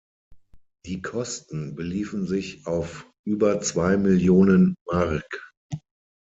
Die Kosten beliefen sich auf über zwei Millionen Mark.